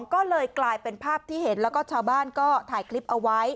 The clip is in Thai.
ก็เลยกลายเป็นภาพที่เห็นแล้วก็ชาวบ้านก็ถ่ายคลิปเอาไว้